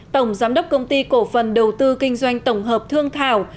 tổng giám đốc công ty cổ phần đầu tư kinh doanh tổng hợp thương thảo